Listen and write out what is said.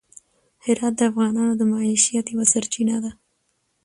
هرات د افغانانو د معیشت یوه سرچینه ده.